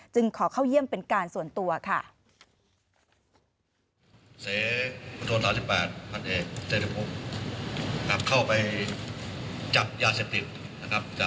ขอเข้าเยี่ยมเป็นการส่วนตัวค่ะ